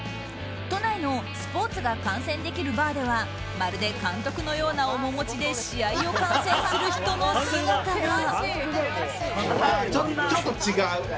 都内のスポーツが観戦できるバーではまるで監督のような面持ちで試合を観戦する人の姿が。